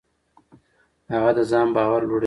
هغه د ځان باور لوړوي.